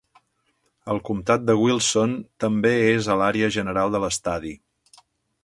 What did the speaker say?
El comtat de Wilson també és a l'àrea general de l'estadi.